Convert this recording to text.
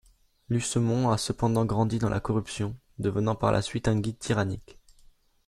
Lucemon a cependant grandit dans la corruption, devenant par la suite un guide tyrannique.